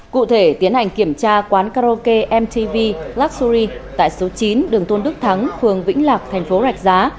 cụ thể tiến hành kiểm tra quán karaoke mtv latsuri tại số chín đường tôn đức thắng phường vĩnh lạc thành phố rạch giá